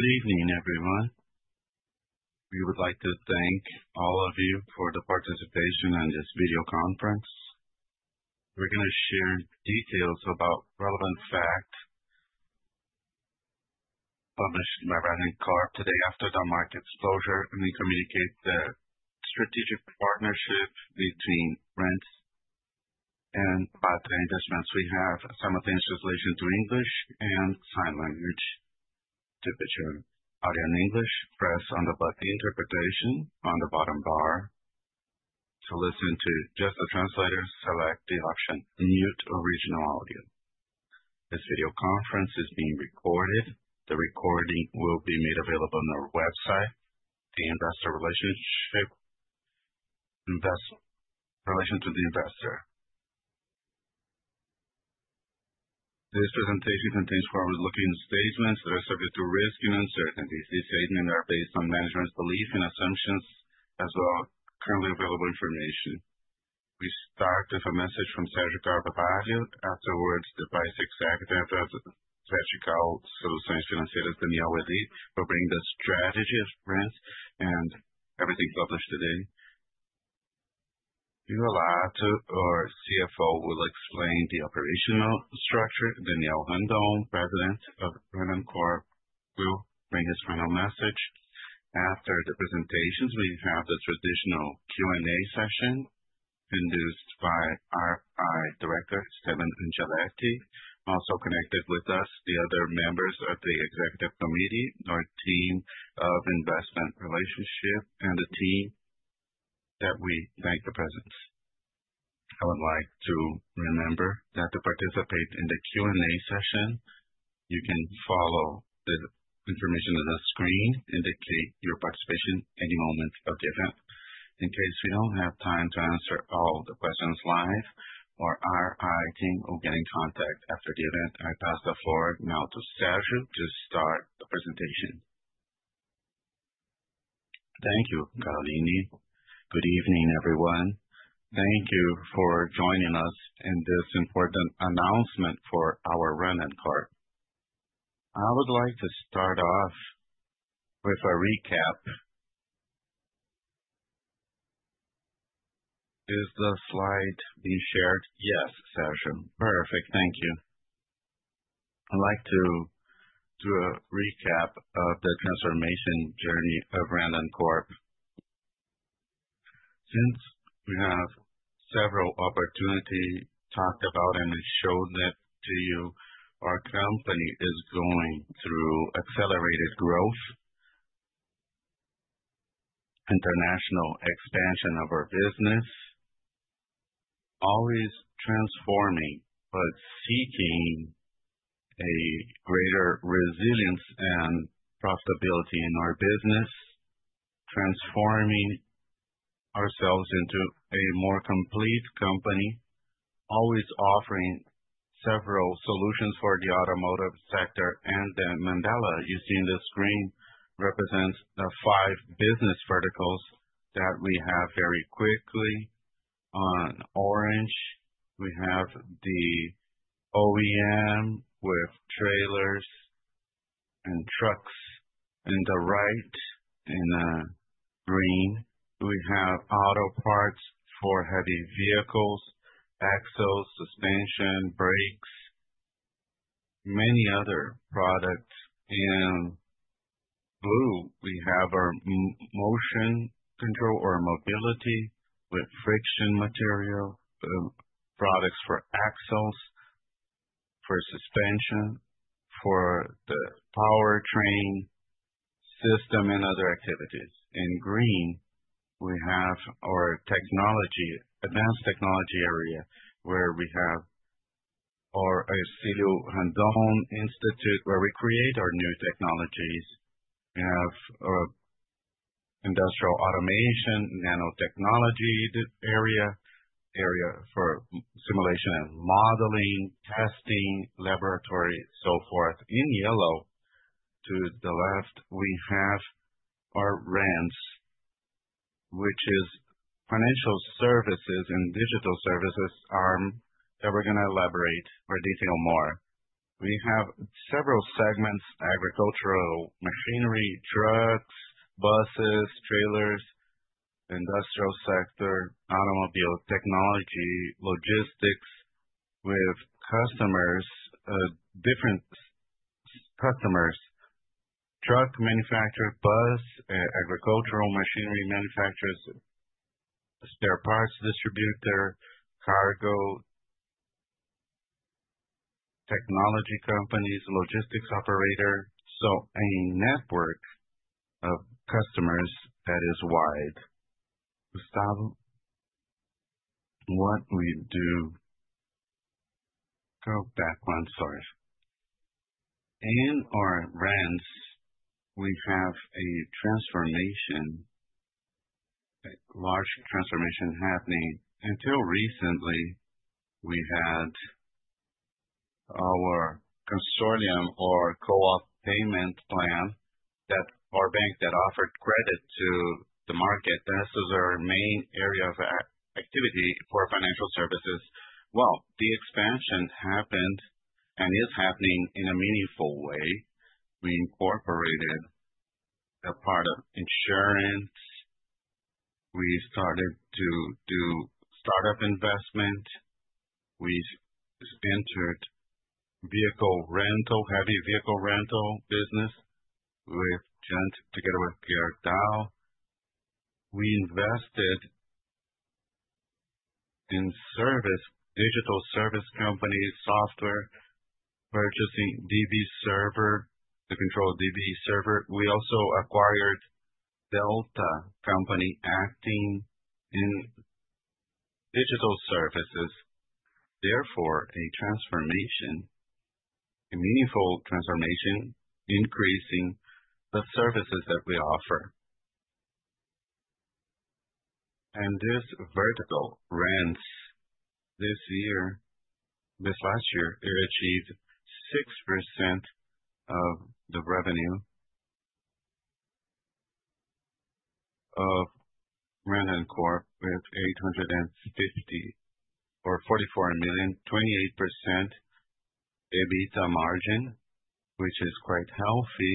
Good evening, everyone. We would like to thank all of you for the participation in this video conference. We're going to share details about relevant facts published by Randoncorp after the market closure and communicate the strategic partnership between Randoncorp and Patria Investments. We have a simultaneous translation to English and sign language to be shared. Audio in English, press on the button for interpretation on the bottom bar. To listen to just the translator, select the option "Mute original audio." This video conference is being recorded. The recording will be made available on our website. The investor relations, investor relation to the investor. This presentation contains forward-looking statements that are subject to risk and uncertainties. These statements are based on management's beliefs and assumptions as well as currently available information. We start with a message from Sérgio Carvalho. Afterwards, the Vice Executive Director, Sérgio Carvalho, who signs financials with the CEO, will bring the strategy of Randoncorp and everything published today. Paulo Prignolato, our CFO, will explain the operational structure. Daniel Randon, President of Randoncorp, will bring his final message. After the presentations, we have the traditional Q&A session induced by our Director, Esteban Angeletti. Also connected with us, the other members of the Executive Committee, our team of investment relationship, and the team that we thank for presence. I would like to remember that to participate in the Q&A session, you can follow the information on the screen, indicate your participation at any moment of the event. In case we do not have time to answer all the questions live, our team will get in contact after the event. I pass the floor now to Sérgio to start the presentation. Thank you, Caroline. Good evening, everyone. Thank you for joining us in this important announcement for our Randoncorp. I would like to start off with a recap. Is the slide being shared? Yes, Sérgio. Perfect. Thank you. I'd like to do a recap of the transformation journey of Randoncorp. Since we have several opportunities to talk about and we showed that to you, our company is going through accelerated growth, international expansion of our business, always transforming but seeking a greater resilience and profitability in our business, transforming ourselves into a more complete company, always offering several solutions for the automotive sector. The Mandala you see on the screen represents the five business verticals that we have very quickly. On orange, we have the OEM with trailers and trucks. On the right, in green, we have auto parts for heavy vehicles, axles, suspension, brakes, many other products. In blue, we have our motion control or mobility with friction material products for axles, for suspension, for the powertrain system, and other activities. In green, we have our technology, advanced technology area where we have our Hercílio Randon Institute where we create our new technologies. We have our industrial automation, nanotechnology area, area for simulation and modeling, testing, laboratory, and so forth. In yellow, to the left, we have our Rands, which is financial services and digital services arm that we are going to elaborate or detail more. We have several segments: agricultural machinery, trucks, buses, trailers, industrial sector, automobile technology, logistics with customers, different customers, truck manufacturer, bus, agricultural machinery manufacturers, spare parts distributor, cargo technology companies, logistics operator. A network of customers that is wide. What we do—go back one, sorry. In our Rands, we have a transformation, a large transformation happening. Until recently, we had our consortium or co-op payment plan that our bank that offered credit to the market. That was our main area of activity for financial services. The expansion happened and is happening in a meaningful way. We incorporated a part of insurance. We started to do startup investment. We entered vehicle rental, heavy vehicle rental business with Gerdau together with Patria Investments. We invested in service, digital service companies, software, purchasing DBServer to control DBServer. We also acquired Delta acting in digital services. Therefore, a transformation, a meaningful transformation, increasing the services that we offer. This vertical, Rands, this year, this last year, it achieved 6% of the revenue of Randoncorp with 850 million or 44 million, 28% EBITDA margin, which is quite healthy,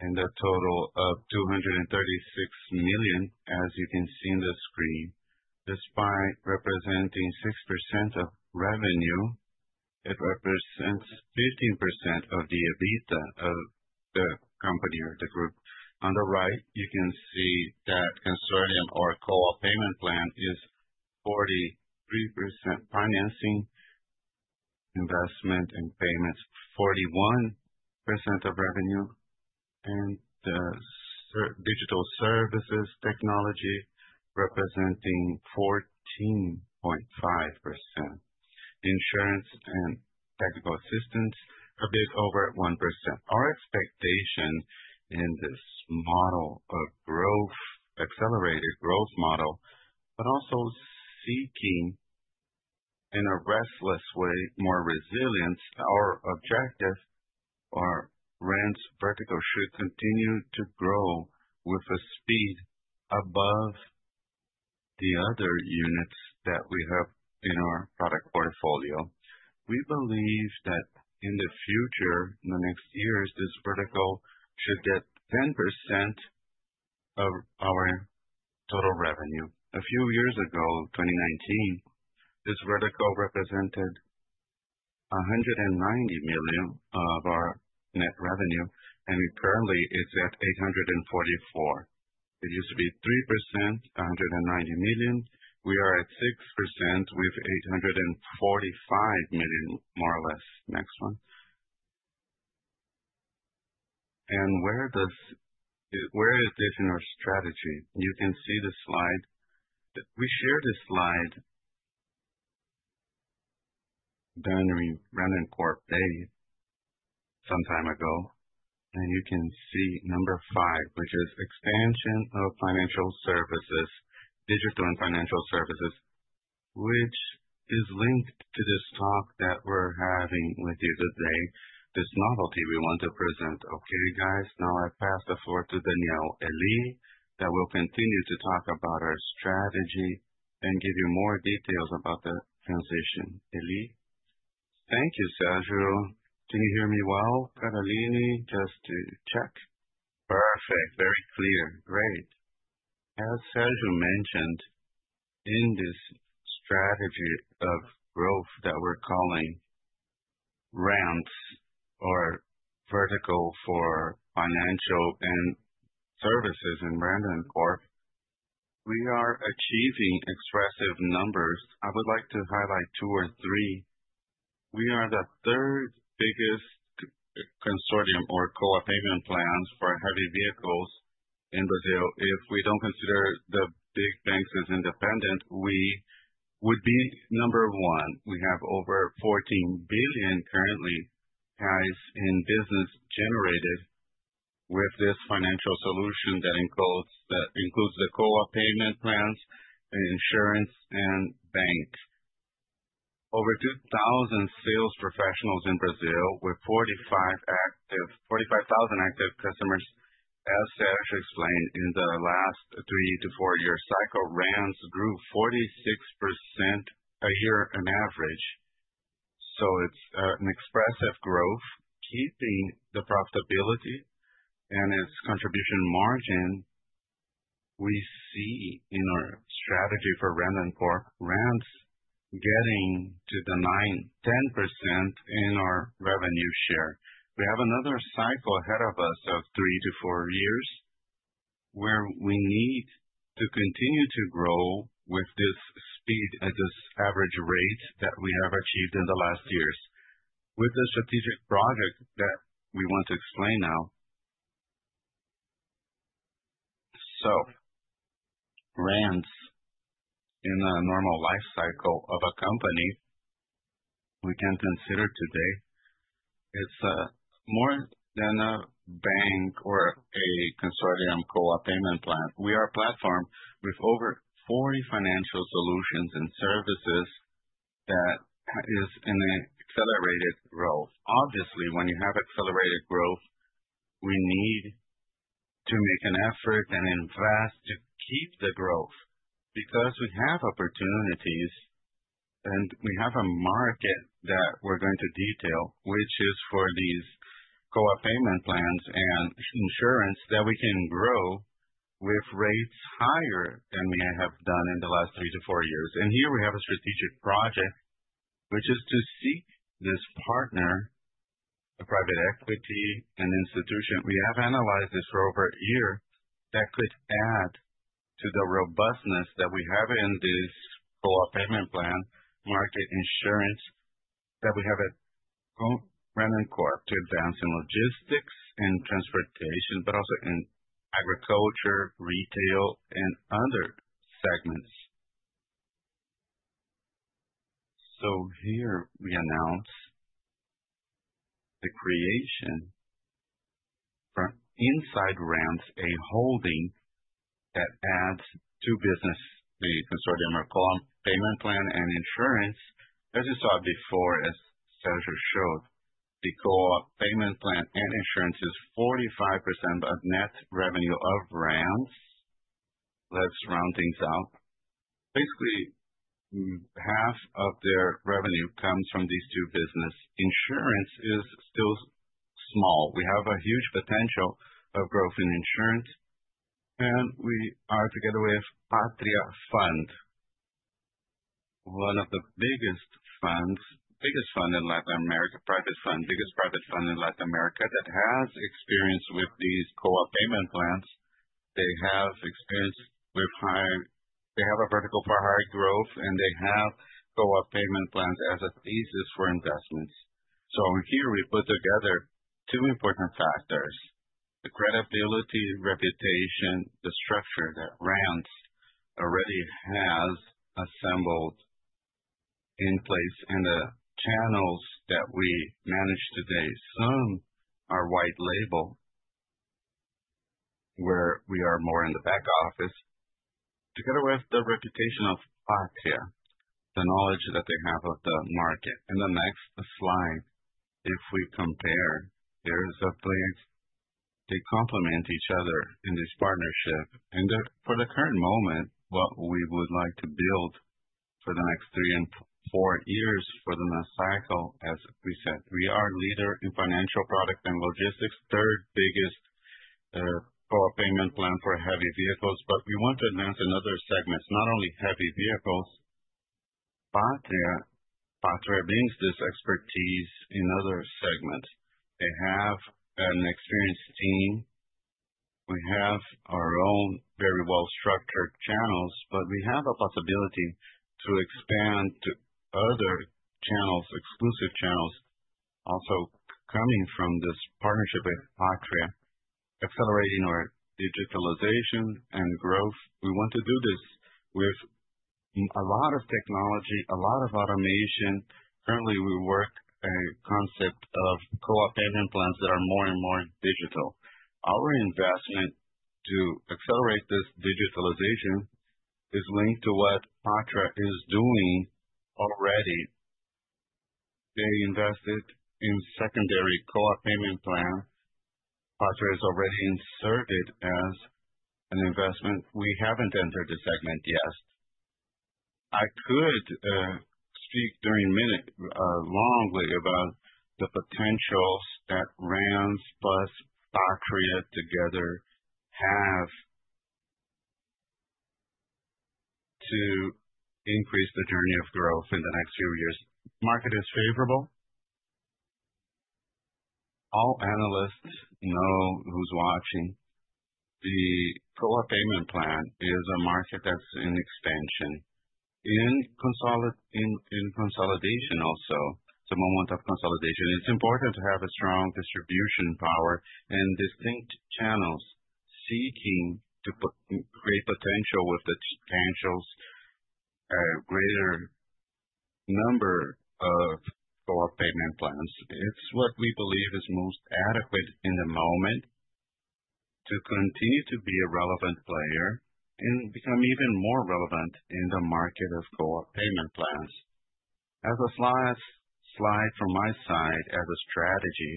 and a total of 236 million, as you can see on the screen. Despite representing 6% of revenue, it represents 15% of the EBITDA of the company or the group. On the right, you can see that consortium or co-op payment plan is 43% financing, investment, and payments, 41% of revenue, and digital services technology representing 14.5%. Insurance and technical assistance a bit over 1%. Our expectation in this model of growth, accelerated growth model, but also seeking in a restless way more resilience, our objective or Rands vertical should continue to grow with a speed above the other units that we have in our product portfolio. We believe that in the future, in the next years, this vertical should get 10% of our total revenue. A few years ago, 2019, this vertical represented 190 million of our net revenue, and currently it's at 844 million. It used to be 3%, 190 million. We are at 6% with 845 million, more or less. Next one. Where is this in our strategy? You can see the slide. We shared this slide, Randoncorp, some time ago, and you can see number five, which is expansion of financial services, digital and financial services, which is linked to this talk that we're having with you today, this novelty we want to present. Okay, guys, now I pass the floor to Daniel Ely that will continue to talk about our strategy and give you more details about the transition. Ely. thank you, Sérgio. Can you hear me well, Caroline? Just to check. Perfect. Very clear. Great. As Sérgio mentioned, in this strategy of growth that we're calling Rands or vertical for financial and services in Randoncorp, we are achieving expressive numbers. I would like to highlight two or three. We are the third biggest consortium or co-op payment plans for heavy vehicles in Brazil. If we do not consider the big banks as independent, we would be number one. We have over 14 billion currently, guys, in business generated with this financial solution that includes the co-op payment plans, insurance, and bank. Over 2,000 sales professionals in Brazil with 45,000 active customers. As Sérgio explained, in the last three to four year cycle, Rands grew 46% a year on average. It is an expressive growth. Keeping the profitability and its contribution margin, we see in our strategy for Randoncorp, Rands getting to the 9%-10% in our revenue share. We have another cycle ahead of us of three to four years where we need to continue to grow with this speed at this average rate that we have achieved in the last years with the strategic project that we want to explain now. Rands in a normal life cycle of a company we can consider today, it's more than a bank or a consortium co-op payment plan. We are a platform with over 40 financial solutions and services that is in an accelerated growth. Obviously, when you have accelerated growth, we need to make an effort and invest to keep the growth because we have opportunities and we have a market that we're going to detail, which is for these co-op payment plans and insurance that we can grow with rates higher than we have done in the last three to four years. Here we have a strategic project, which is to seek this partner, a private equity and institution. We have analyzed this for over a year that could add to the robustness that we have in this co-op payment plan, market insurance that we have at Randoncorp to advance in logistics and transportation, but also in agriculture, retail, and other segments. Here we announce the creation from inside Rands, a holding that adds two business, the consortium or co-op payment plan and insurance. As you saw before, as Sérgio showed, the co-op payment plan and insurance is 45% of net revenue of Rands. Let's round things out. Basically, half of their revenue comes from these two businesses. Insurance is still small. We have a huge potential of growth in insurance, and we are together with Patria Fund, one of the biggest funds, biggest fund in Latin America, private fund, biggest private fund in Latin America that has experience with these co-op payment plans. They have experience with high, they have a vertical for high growth, and they have co-op payment plans as a thesis for investments. Here we put together two important factors: the credibility, reputation, the structure that Randoncorp already has assembled in place and the channels that we manage today. Some are white label where we are more in the back office together with the reputation of Patria, the knowledge that they have of the market. The next slide, if we compare, there is a place they complement each other in this partnership. For the current moment, what we would like to build for the next three and four years for the next cycle, as we said, we are leader in financial products and logistics, third biggest co-op payment plan for heavy vehicles. We want to advance another segment, not only heavy vehicles. Patria brings this expertise in other segments. They have an experienced team. We have our own very well-structured channels, but we have a possibility to expand to other channels, exclusive channels, also coming from this partnership with Patria, accelerating our digitalization and growth. We want to do this with a lot of technology, a lot of automation. Currently, we work on a concept of co-op payment plans that are more and more digital. Our investment to accelerate this digitalization is linked to what Patria is doing already. They invested in secondary co-op payment plans. Patria is already inserted as an investment. We have not entered the segment yet. I could speak during a minute longly about the potentials that Randoncorp plus Patria together have to increase the journey of growth in the next few years. Market is favorable. All analysts know who's watching. The co-op payment plan is a market that's in expansion, in consolidation also, some moment of consolidation. It's important to have a strong distribution power and distinct channels seeking to create potential with the potentials, a greater number of co-op payment plans. It's what we believe is most adequate in the moment to continue to be a relevant player and become even more relevant in the market of co-op payment plans. As a slide from my side, as a strategy,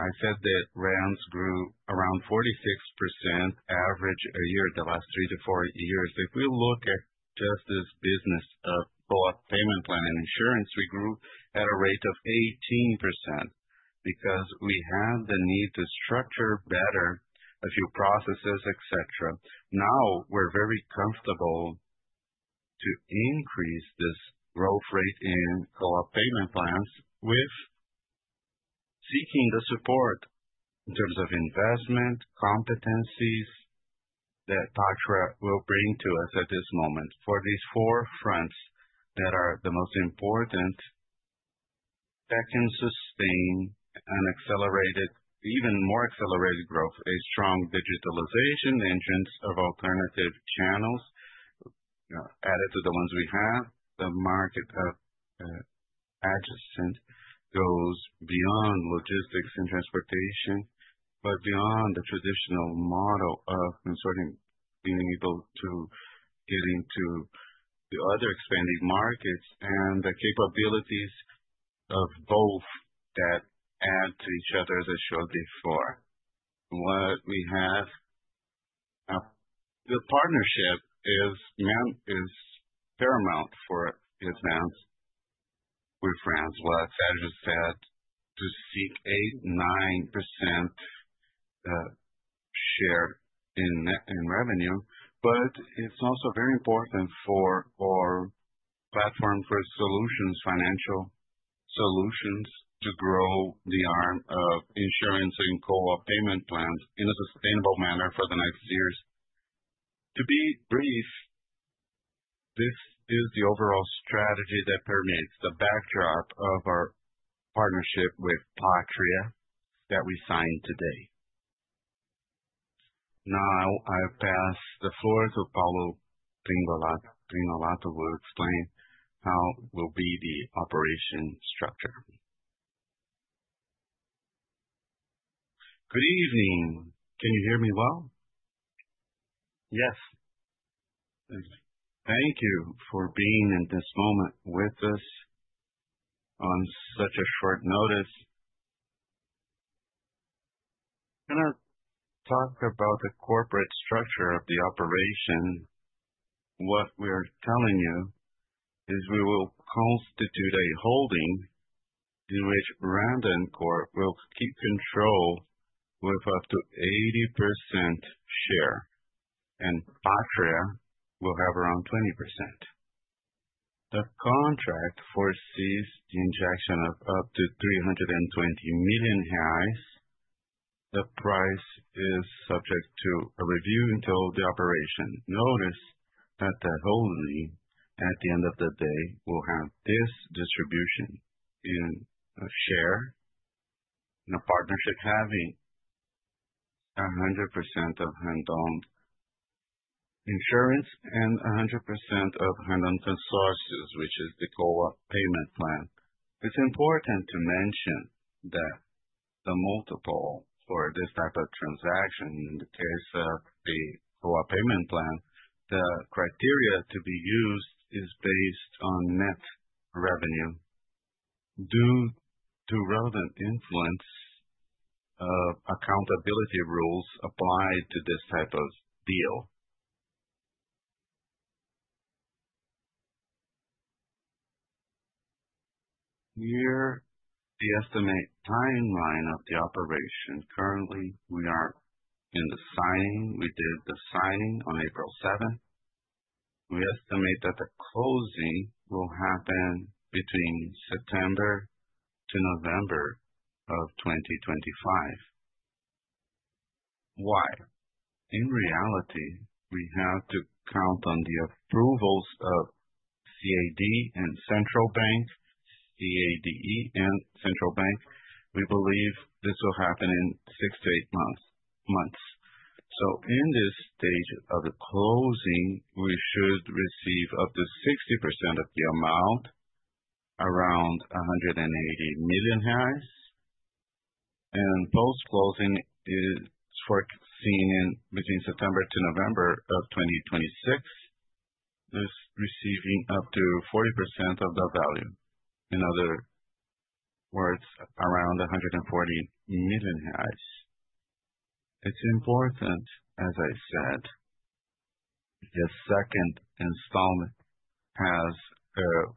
I said that Rands grew around 46% average a year the last three to four years. If we look at just this business of co-op payment plan and insurance, we grew at a rate of 18% because we had the need to structure better a few processes, etc. Now we're very comfortable to increase this growth rate in co-op payment plans with seeking the support in terms of investment competencies that Patria will bring to us at this moment for these four fronts that are the most important that can sustain an accelerated, even more accelerated growth, a strong digitalization engines of alternative channels added to the ones we have. The market of adjacent goes beyond logistics and transportation, but beyond the traditional model of consortium being able to get into the other expanded markets and the capabilities of both that add to each other as I showed before. What we have, the partnership is paramount for advance with Rands. As Sérgio said, to seek a 9% share in revenue, but it's also very important for our platform for solutions, financial solutions to grow the arm of insurance and co-op payment plans in a sustainable manner for the next years. To be brief, this is the overall strategy that permits the backdrop of our partnership with Patria that we signed today. Now I pass the floor to Paulo Prignolato. Prignolato will explain how will be the operation structure. Good evening. Can you hear me well? Yes. Thank you for being in this moment with us on such a short notice. I'm going to talk about the corporate structure of the operation. What we are telling you is we will constitute a holding in which Randoncorp will keep control with up to 80% share and Patria will have around 20%. The contract foresees the injection of up to 320 million reais. The price is subject to a review until the operation. Notice that the holding at the end of the day will have this distribution in a share in a partnership having 100% of Randoncorp Insurance and 100% of Randon Consórcios, which is the co-op payment plan. It's important to mention that the multiple for this type of transaction in the case of the co-op payment plan, the criteria to be used is based on net revenue due to relevant influence of accountability rules applied to this type of deal. Here the estimate timeline of the operation. Currently, we are in the signing. We did the signing on April 7th. We estimate that the closing will happen between September to November of 2025. Why? In reality, we have to count on the approvals of CADE and Central Bank. We believe this will happen in six to eight months. At this stage of the closing, we should receive up to 60% of the amount, around BRL 180 million. Post-closing is foreseen between September to November of 2026, this receiving up to 40% of the value. In other words, around 140 million. It's important, as I said, the second installment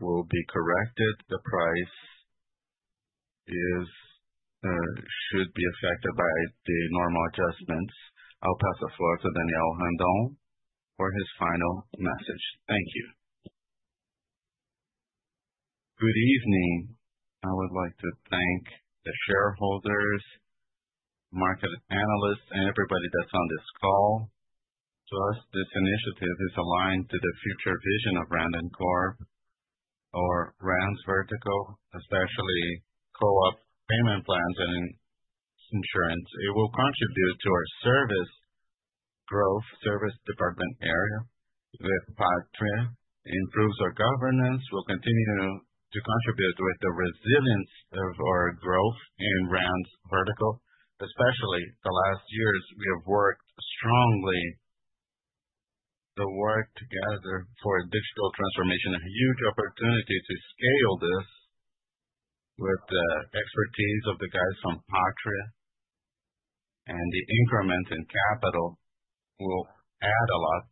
will be corrected. The price should be affected by the normal adjustments. I'll pass the floor to Daniel Randon for his final message. Thank you. Good evening. I would like to thank the shareholders, market analysts, and everybody that's on this call. To us, this initiative is aligned to the future vision of Randoncorp, or Randoncorp Vertical, especially co-op payment plans and insurance. It will contribute to our service growth, service department area with Patria. It improves our governance. We'll continue to contribute with the resilience of our growth in Randoncorp's vertical, especially the last years we have worked strongly the work together for digital transformation, a huge opportunity to scale this with the expertise of the guys from Patria. The increment in capital will add a lot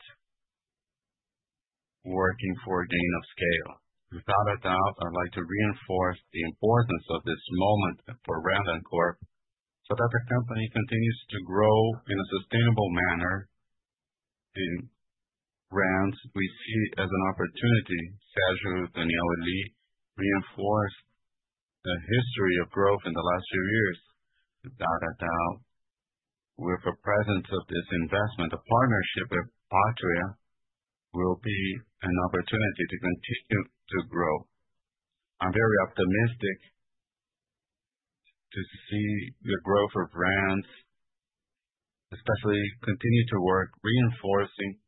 working for gain of scale. Without a doubt, I'd like to reinforce the importance of this moment for Randoncorp so that the company continues to grow in a sustainable manner. In Randoncorp's, we see as an opportunity, Sérgio, Daniel, and Lee reinforce the history of growth in the last few years. Without a doubt, with the presence of this investment, the partnership with Patria will be an opportunity to continue to grow. I'm very optimistic to see the growth of Randoncorp, especially continue to work reinforcing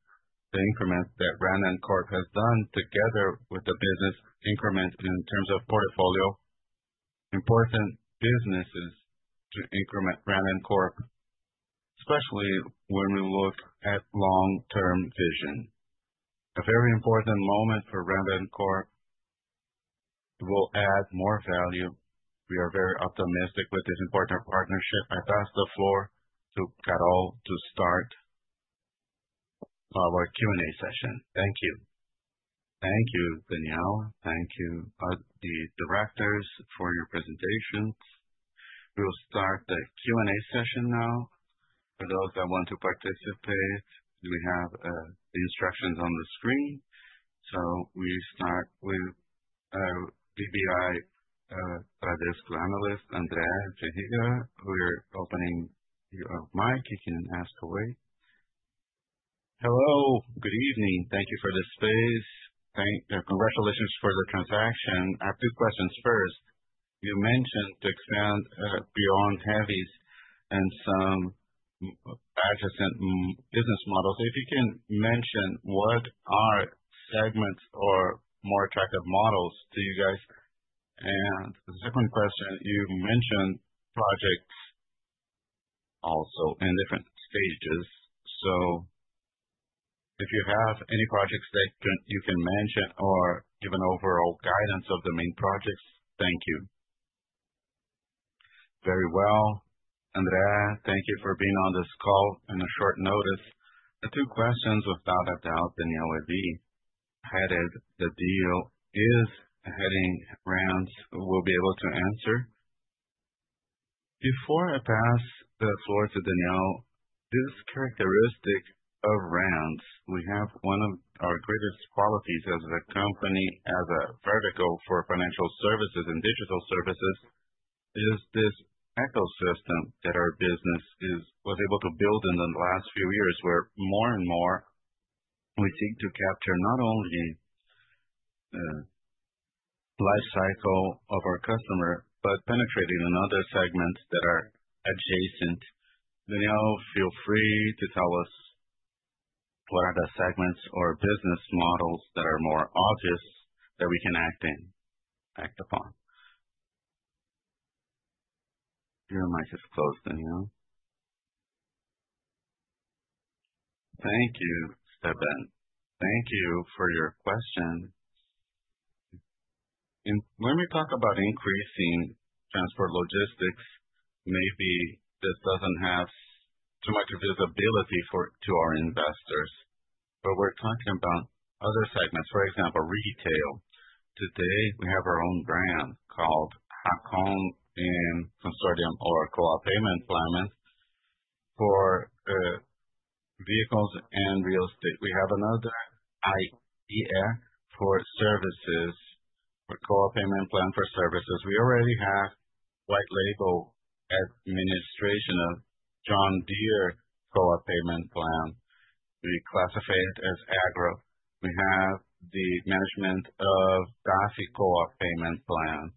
the increment that Randoncorp has done together with the business increment in terms of portfolio. Important businesses to increment Randoncorp, especially when we look at long-term vision. A very important moment for Randoncorp will add more value. We are very optimistic with this important partnership. I pass the floor to Caroline to start our Q&A session. Thank you. Thank you, Daniel. Thank you, the directors, for your presentations. We will start the Q&A session now. For those that want to participate, we have the instructions on the screen. We start with BBI Bradesco analyst, André Ferreira. We're opening your mic. You can ask away. Hello. Good evening. Thank you for the space. Congratulations for the transaction. I have two questions first. You mentioned to expand beyond heavies and some adjacent business models. If you can mention what are segments or more attractive models to you guys. The second question, you mentioned projects also in different stages. If you have any projects that you can mention or give an overall guidance of the main projects, thank you. Very well. André, thank you for being on this call in a short notice. Two questions without a doubt, Daniel would be headed the deal is heading Randoncorp will be able to answer. Before I pass the floor to Daniel, this characteristic of Randoncorp, we have one of our greatest qualities as a company, as a vertical for financial services and digital services, is this ecosystem that our business was able to build in the last few years where more and more we seek to capture not only the life cycle of our customer, but penetrating another segment that are adjacent. Daniel, feel free to tell us what are the segments or business models that are more obvious that we can act in, act upon. Your mic is closed, Daniel. Thank you, Esteban. Thank you for your question. When we talk about increasing transport logistics, maybe this doesn't have too much visibility to our investors, but we're talking about other segments. For example, retail. Today, we have our own brand called Racon in consortium or co-op payment plans for vehicles and real estate. We have another IEF for services, for co-op payment plan for services. We already have white label administration of John Deere co-op payment plan. We classify it as agro. We have the management of DAF co-op payment plan.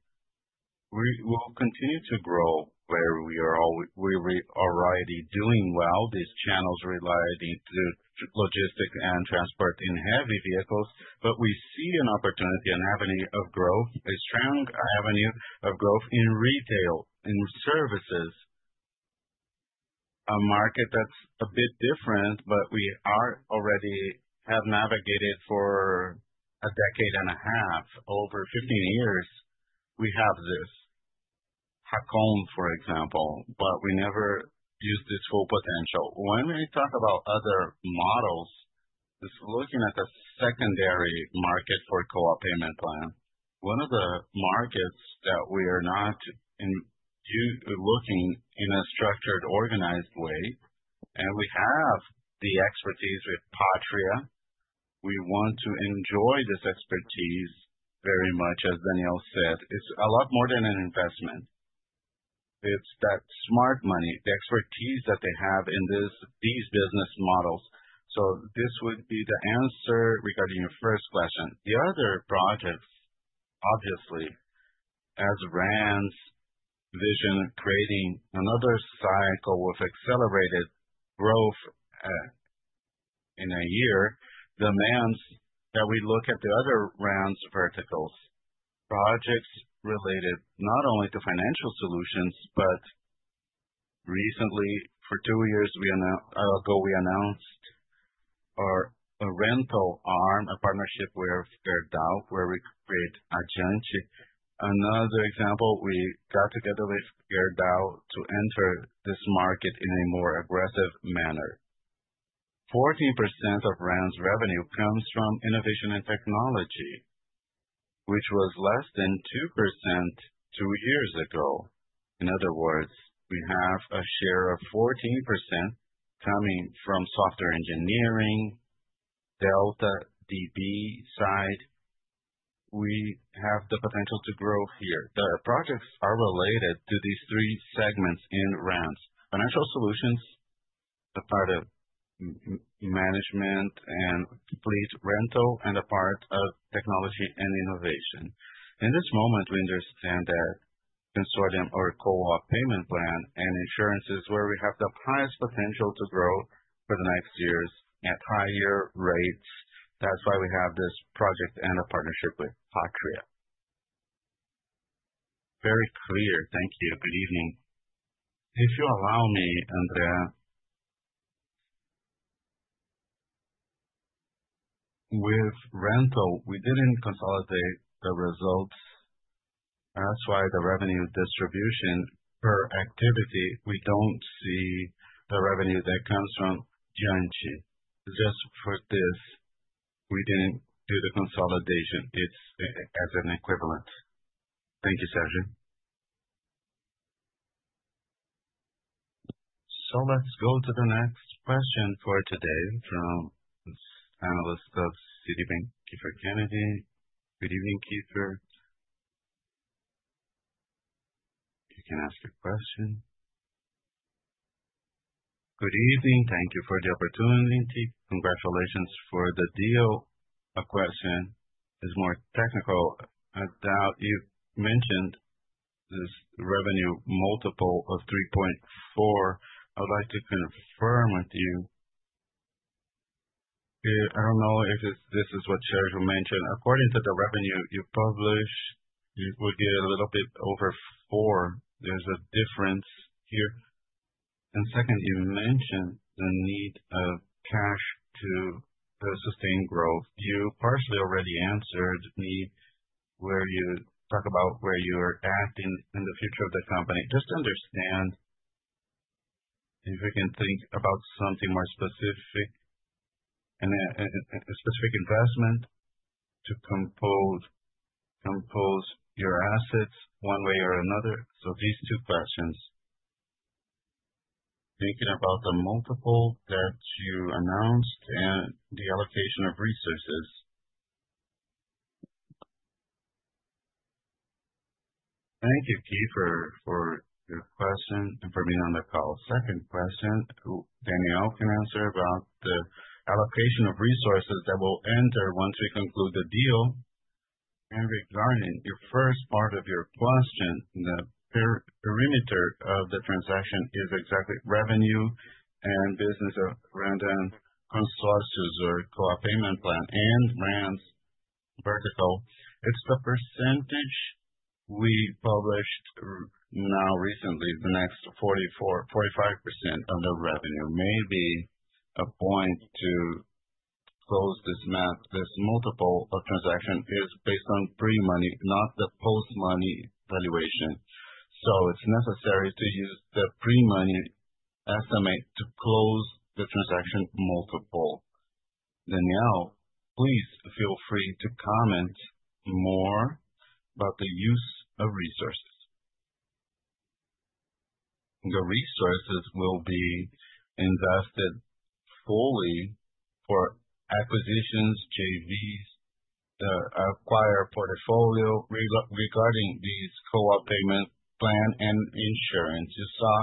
We will continue to grow where we are already doing well. These channels rely on logistics and transport in heavy vehicles, but we see an opportunity, an avenue of growth, a strong avenue of growth in retail, in services. A market that's a bit different, but we already have navigated for a decade and a half, over 15 years. We have this Racon, for example, but we never used its full potential. When we talk about other models, it's looking at the secondary market for co-op payment plan. One of the markets that we are not looking in a structured, organized way, and we have the expertise with Patria. We want to enjoy this expertise very much, as Daniel said. It's a lot more than an investment. It's that smart money, the expertise that they have in these business models. This would be the answer regarding your first question. The other projects, obviously, as Randoncorp's vision creating another cycle with accelerated growth in a year, demands that we look at the other Randoncorp verticals, projects related not only to financial solutions, but recently, two years ago we announced our rental arm, a partnership with Gerdau, where we created Addiante. Another example, we got together with Gerdau to enter this market in a more aggressive manner. 14% of Randoncorp's revenue comes from innovation and technology, which was less than 2% two years ago. In other words, we have a share of 14% coming from software engineering, Delta DB side. We have the potential to grow here. The projects are related to these three segments in Randoncorp: financial solutions, a part of management and complete rental, and a part of technology and innovation. In this moment, we understand that consortium or co-op payment plan and insurances is where we have the highest potential to grow for the next years at higher rates. That's why we have this project and a partnership with Patria. Very clear. Thank you. Good evening. If you allow me, André, with rental, we didn't consolidate the results. That's why the revenue distribution per activity, we don't see the revenue that comes from Gerdau. Just for this, we didn't do the consolidation. It's as an equivalent. Thank you, Sérgio. Let's go to the next question for today from analyst of Citibank, Kiepher Kennedy. Good evening, Kiepher. You can ask your question. Good evening. Thank you for the opportunity. Congratulations for the deal. A question is more technical. You mentioned this revenue multiple of 3.4. I would like to confirm with you. I do not know if this is what Sérgio mentioned. According to the revenue you published, it would get a little bit over four. There is a difference here. You mentioned the need of cash to sustain growth. You partially already answered need where you talk about where you are at in the future of the company. Just understand if we can think about something more specific and a specific investment to compose your assets one way or another. These two questions. Thinking about the multiple that you announced and the allocation of resources. Thank you, Kiefer, for your question and for being on the call. Second question, Daniel can answer about the allocation of resources that will enter once we conclude the deal. Regarding the first part of your question, the perimeter of the transaction is exactly revenue and business of Randon Consórcios or Co-op Payment Plan and Rands Vertical. It is the percentage we published recently, the next 44%-45% of the revenue. Maybe a point to close this multiple of transaction is based on pre-money, not the post-money valuation. It is necessary to use the pre-money estimate to close the transaction multiple. Danielle, please feel free to comment more about the use of resources. The resources will be invested fully for acquisitions, JVs, the acquire portfolio regarding these co-op payment plan and insurance. You saw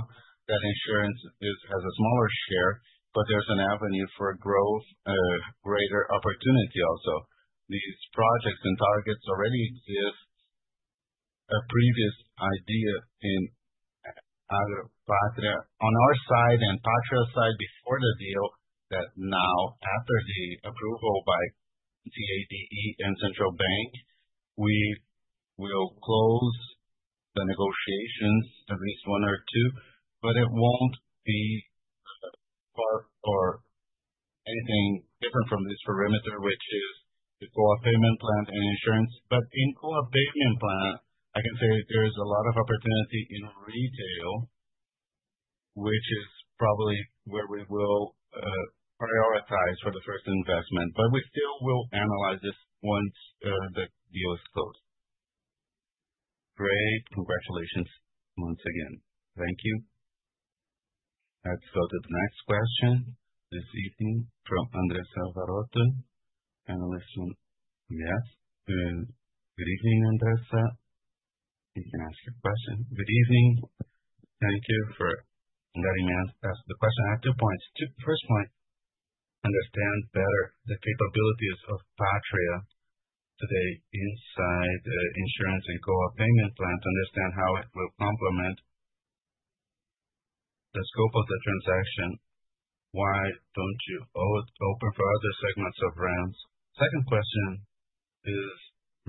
that insurance has a smaller share, but there is an avenue for growth, a greater opportunity also. These projects and targets already exist. A previous idea in Patria on our side and Patria's side before the deal that now, after the approval by CADE and Central Bank, we will close the negotiations, at least one or two, but it will not be anything different from this perimeter, which is the co-op payment plan and insurance. In co-op payment plan, I can say there is a lot of opportunity in retail, which is probably where we will prioritize for the first investment. We still will analyze this once the deal is closed. Great. Congratulations once again. Thank you. Let's go to the next question this evening from Andressa Varotto, analyst. Yes. Good evening, Andressa. You can ask your question. Good evening. Thank you for letting me ask the question. I have two points. First point, understand better the capabilities of Patria today inside insurance and co-op payment plan. Understand how it will complement the scope of the transaction. Why don't you open for other segments of Randoncorp? Second question is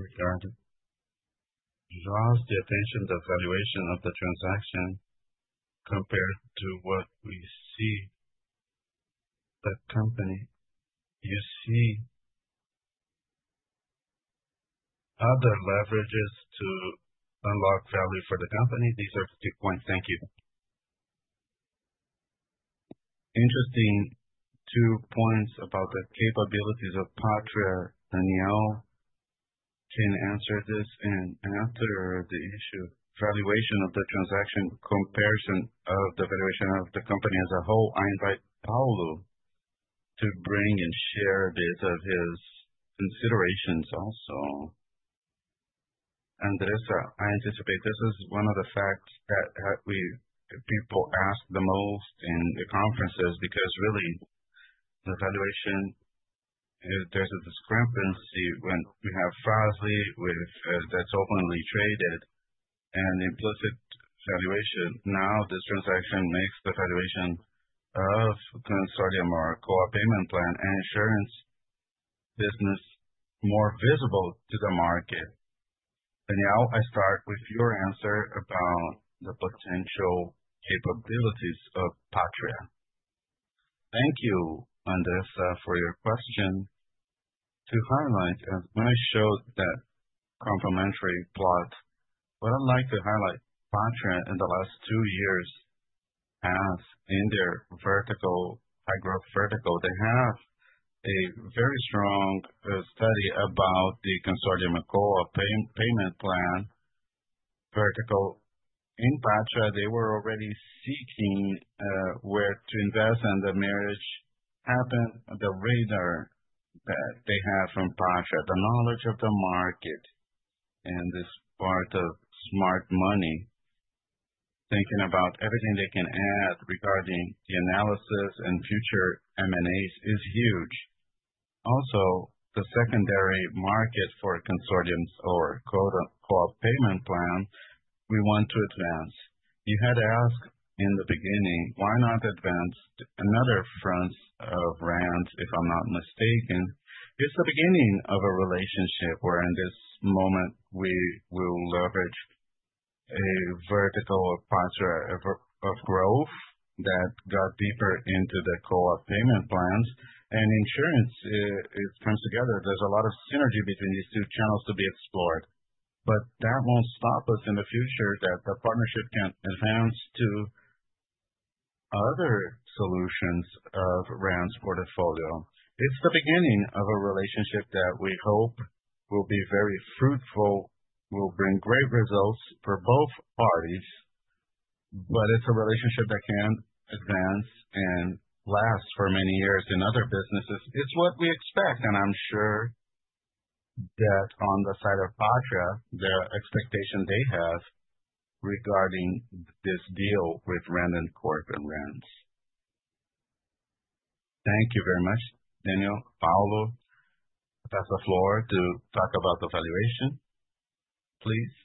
regarding draws the attention, the valuation of the transaction compared to what we see the company. You see other leverages to unlock value for the company. These are the two points. Thank you. Interesting two points about the capabilities of Patria. Daniel can answer this and after the issue valuation of the transaction comparison of the valuation of the company as a whole, I invite Paulo to bring and share a bit of his considerations also. Andressa, I anticipate this is one of the facts that people ask the most in the conferences because really the valuation, there's a discrepancy when we have Fras-Le that's openly traded and implicit valuation. Now this transaction makes the valuation of consortium or co-op payment plan and insurance business more visible to the market. Daniel, I start with your answer about the potential capabilities of Patria. Thank you, Andressa, for your question. To highlight, when I showed that complementary plot, what I'd like to highlight, Patria in the last two years has in their vertical, agro vertical, they have a very strong study about the consortium and co-op payment plan vertical. In Patria, they were already seeking where to invest and the marriage happened, the radar that they have from Patria, the knowledge of the market and this part of smart money, thinking about everything they can add regarding the analysis and future M&As is huge. Also, the secondary market for consortiums or co-op payment plan, we want to advance. You had asked in the beginning, why not advance another front of Randoncorp if I'm not mistaken. It's the beginning of a relationship where in this moment we will leverage a vertical of Patria of growth that got deeper into the co-op payment plans and insurance comes together. There's a lot of synergy between these two channels to be explored, but that won't stop us in the future that the partnership can advance to other solutions of Randoncorp's portfolio. It's the beginning of a relationship that we hope will be very fruitful, will bring great results for both parties, but it's a relationship that can advance and last for many years in other businesses. It's what we expect, and I'm sure that on the side of Patria, the expectation they have regarding this deal with Randoncorp and Randoncorp's. Thank you very much, Daniel. Paulo, pass the floor to talk about the valuation, please.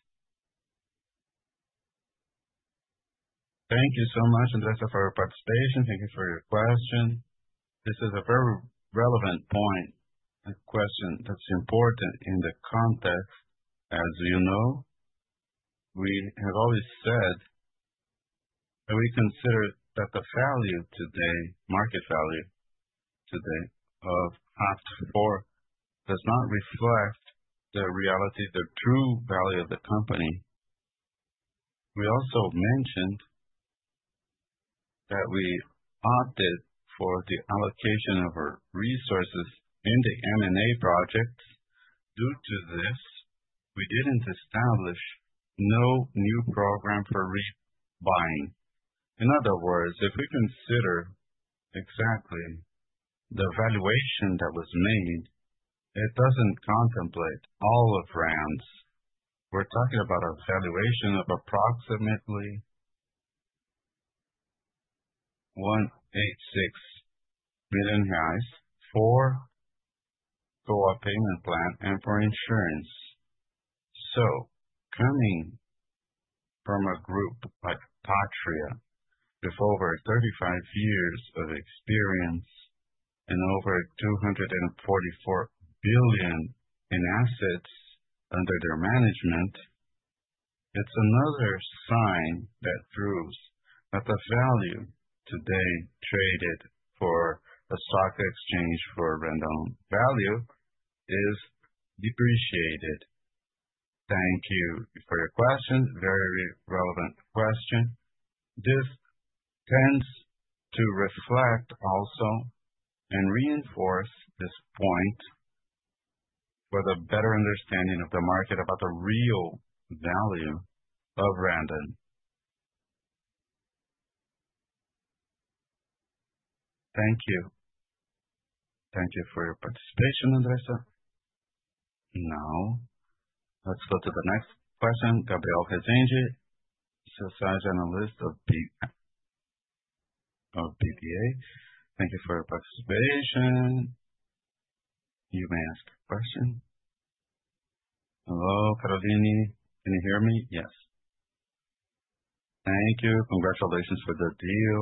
Thank you so much, Andressa, for your participation. Thank you for your question. This is a very relevant point and question that's important in the context. As you know, we have always said that we consider that the value today, market value today of Randoncorp does not reflect the reality, the true value of the company. We also mentioned that we opted for the allocation of our resources in the M&A projects. Due to this, we did not establish any new program for rebuying. In other words, if we consider exactly the valuation that was made, it does not contemplate all of Randoncorp. We are talking about a valuation of approximately 186 million reais for co-op payment plan and for insurance. Coming from a group like Patria with over 35 years of experience and over 244 billion in assets under their management, it's another sign that proves that the value today traded for a stock exchange for rental value is depreciated. Thank you for your question. Very relevant question. This tends to reflect also and reinforce this point for the better understanding of the market about the real value of Randoncorp. Thank you. Thank you for your participation, Andressa. Now let's go to the next question. Gabriel Rezende, Associate Analyst of Itaú BBA. Thank you for your participation. You may ask a question. Hello, Caroline. Can you hear me? Yes. Thank you. Congratulations for the deal.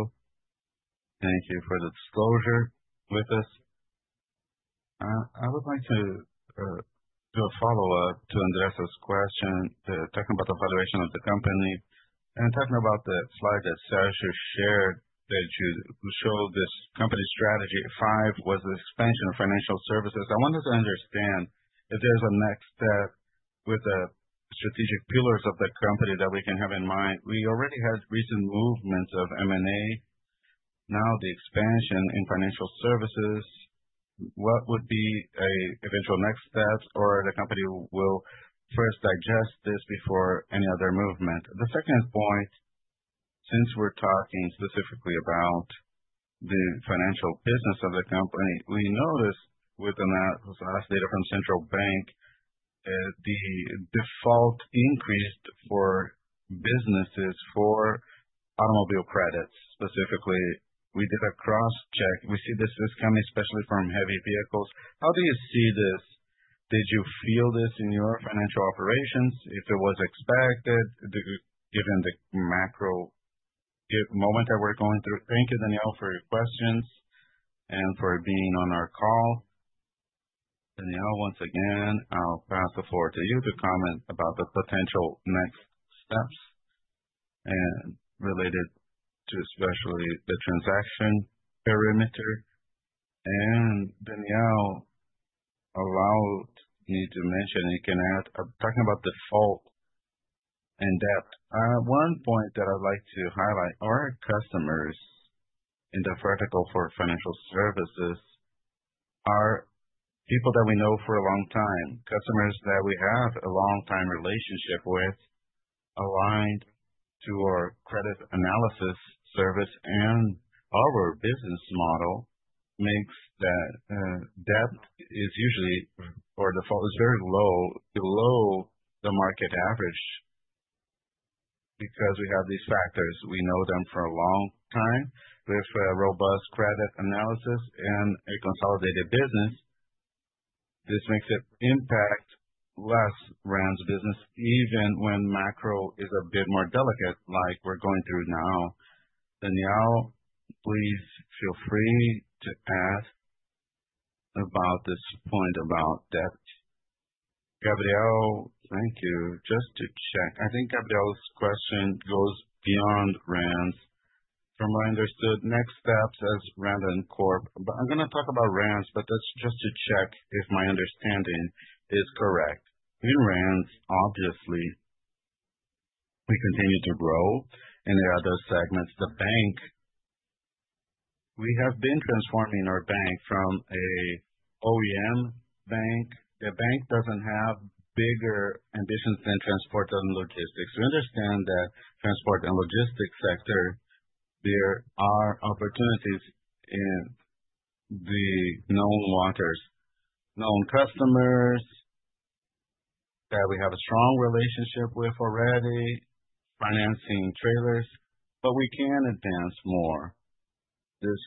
Thank you for the disclosure with us. I would like to do a follow-up to Andressa's question, talking about the valuation of the company and talking about the slide that Sérgio shared that you showed this company strategy. Five was the expansion of financial services. I wanted to understand if there's a next step with the strategic pillars of the company that we can have in mind. We already had recent movements of M&A. Now the expansion in financial services, what would be an eventual next step or the company will first digest this before any other movement? The second point, since we're talking specifically about the financial business of the company, we noticed within the last data from Central Bank, the default increased for businesses for automobile credits. Specifically, we did a cross-check. We see this is coming especially from heavy vehicles. How do you see this? Did you feel this in your financial operations? If it was expected, given the macro moment that we're going through? Thank you, Gabriel, for your questions and for being on our call. Daniel, once again, I'll pass the floor to you to comment about the potential next steps related to especially the transaction perimeter. Grabiel, allow me to mention you can add talking about default in depth. One point that I'd like to highlight, our customers in the vertical for financial services are people that we know for a long time, customers that we have a long-time relationship with, aligned to our credit analysis service and our business model makes that debt is usually or default is very low, below the market average because we have these factors. We know them for a long time. With robust credit analysis and a consolidated business, this makes it impact less Randoncorp's business, even when macro is a bit more delicate, like we're going through now. Daniel, please feel free to add about this point about debt. Gabriel, thank you. Just to check, I think Gabriel's question goes beyond Randoncorp. From what I understood, next steps as Randoncorp, but I'm going to talk about Randoncorp's, but that's just to check if my understanding is correct. In Randoncorp, obviously, we continue to grow in the other segments. The bank, we have been transforming our bank from an OEM bank. The bank doesn't have bigger ambitions than transport and logistics. We understand that transport and logistics sector, there are opportunities in the known waters, known customers that we have a strong relationship with already, financing trailers, but we can advance more. This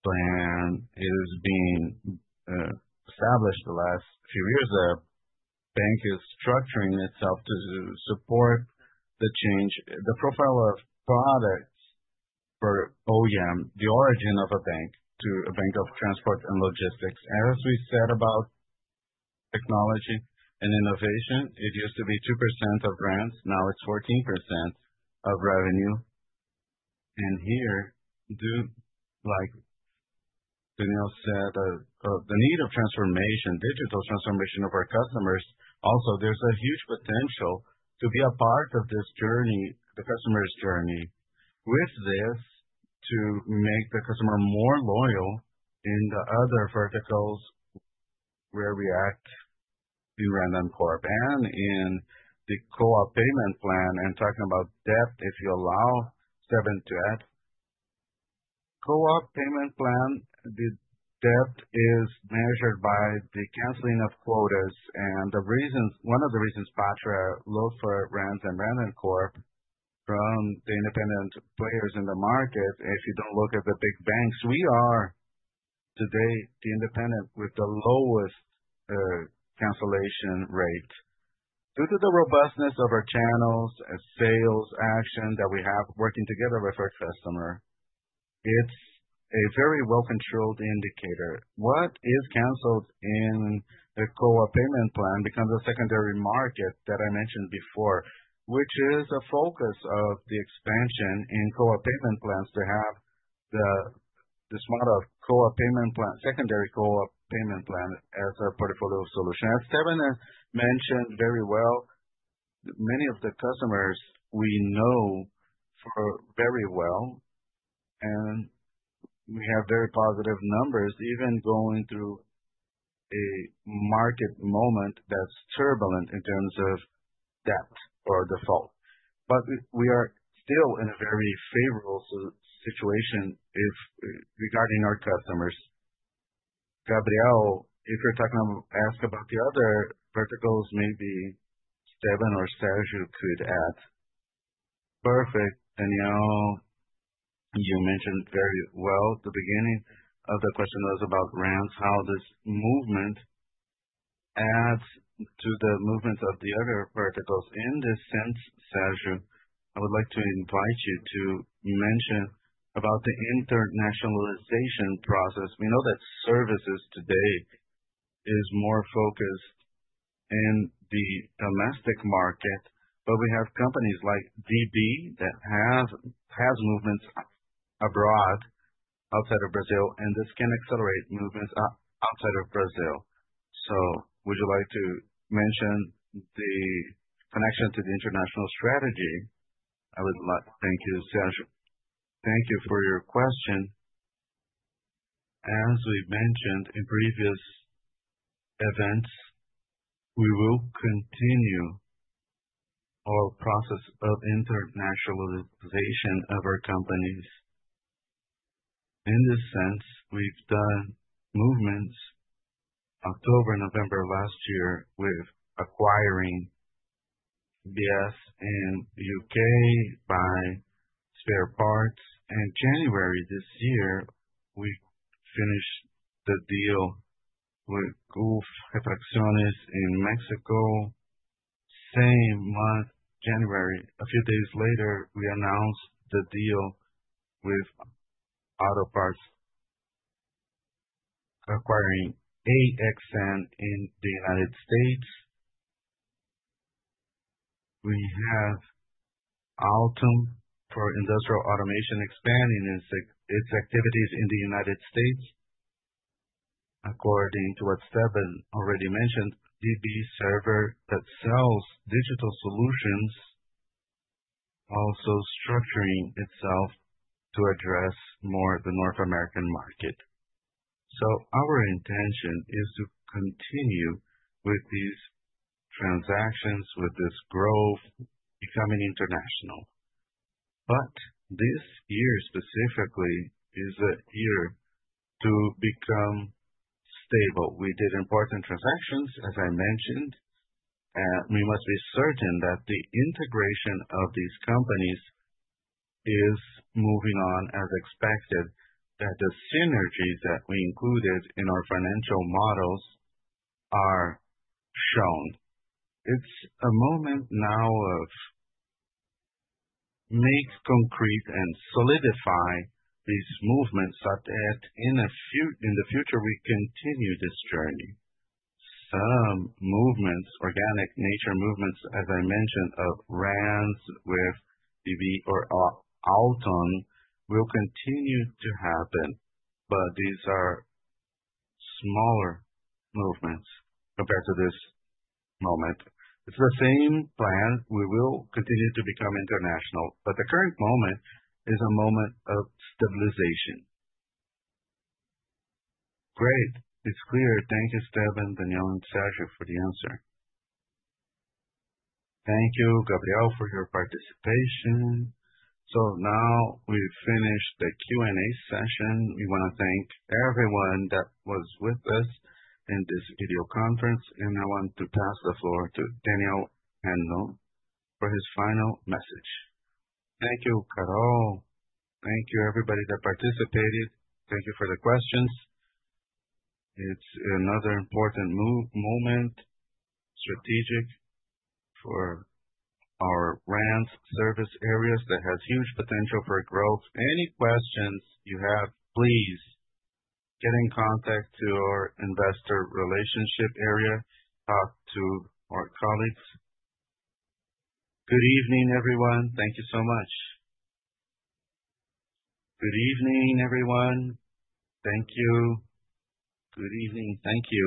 plan is being established the last few years. The bank is structuring itself to support the change, the profile of products for OEM, the origin of a bank to a bank of transport and logistics. As we said about technology and innovation, it used to be 2% of Randoncorp's, now it's 14% of revenue. Here, like Daniel said, the need of transformation, digital transformation of our customers. Also, there's a huge potential to be a part of this journey, the customer's journey with this to make the customer more loyal in the other verticals where we act in Randoncorp and in the co-op payment plan. Talking about debt, if you allow, seven to add co-op payment plan, the debt is measured by the canceling of quotas. One of the reasons Patria looked for Randoncorp from the independent players in the market, if you do not look at the big banks, we are today the independent with the lowest cancellation rate. Due to the robustness of our channels and sales action that we have working together with our customer, it is a very well-controlled indicator. What is canceled in the co-op payment plan becomes a secondary market that I mentioned before, which is a focus of the expansion in co-op payment plans to have this model of co-op payment plan, secondary co-op payment plan as our portfolio solution. As Esteban mentioned very well, many of the customers we know very well, and we have very positive numbers even going through a market moment that is turbulent in terms of debt or default. We are still in a very favorable situation regarding our customers. Gabrielle, if you're talking about ask about the other verticals, maybe Esteban or Sérgio could add. Perfect. Daniel, you mentioned very well the beginning of the question was about Rands, how this movement adds to the movements of the other verticals. In this sense, Sérgio, I would like to invite you to mention about the internationalization process. We know that services today is more focused in the domestic market, but we have companies like DB that have movements abroad outside of Brazil, and this can accelerate movements outside of Brazil. Would you like to mention the connection to the international strategy? I would like to thank you, Sérgio. Thank you for your question. As we mentioned in previous events, we will continue our process of internationalization of our companies. In this sense, we've done movements October and November last year with acquiring BS in the U.K. by Spare Parts. In January this year, we finished the deal with Kuo Refacciones in Mexico. Same month, January, a few days later, we announced the deal with Auto Parts acquiring AXN in the United States. We have Auttom for industrial automation expanding its activities in the United States. According to what Esteban already mentioned, DBServer that sells digital solutions also structuring itself to address more the North American market. Our intention is to continue with these transactions, with this growth, becoming international. This year specifically is a year to become stable. We did important transactions, as I mentioned, and we must be certain that the integration of these companies is moving on as expected, that the synergies that we included in our financial models are shown. It's a moment now of make concrete and solidify these movements so that in the future we continue this journey. Some movements, organic nature movements, as I mentioned, of Randoncorp with DB or Auttom will continue to happen, but these are smaller movements compared to this moment. It's the same plan. We will continue to become international, but the current moment is a moment of stabilization. Great. It's clear. Thank you, Esteban, Daniel, and Sérgio for the answer. Thank you, Gabriel, for your participation. Now we finished the Q&A session. We want to thank everyone that was with us in this video conference, and I want to pass the floor to Daniel Randon for his final message. Thank you, Caroline. Thank you, everybody that participated. Thank you for the questions. It's another important moment, strategic for our Randoncorp service areas that has huge potential for growth. Any questions you have, please get in contact with our investor relationship area, talk to our colleagues. Good evening, everyone. Thank you so much. Good evening, everyone. Thank you. Good evening. Thank you.